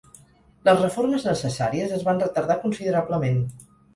Les reformes necessàries es van retardar considerablement.